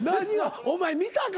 お前見たか？